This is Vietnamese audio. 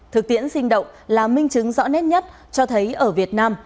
thực tiễn sinh động là minh chứng rõ nét nhất cho thấy ở việt nam